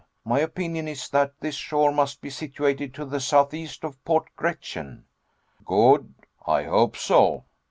My opinion is that this shore must be situated to the southeast of Port Gretchen." "Good I hope so.